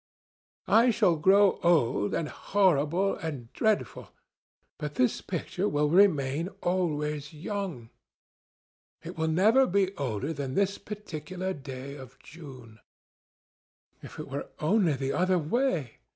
I shall grow old, and horrible, and dreadful. But this picture will remain always young. It will never be older than this particular day of June.... If it were only the other way!